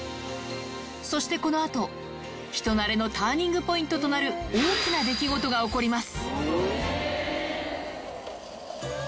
そしてこのあと、人なれのターニングポイントとなる大きな出来事が起こります。